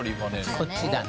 こっちだね。